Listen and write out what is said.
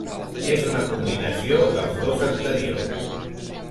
És una combinació dels dos anteriors.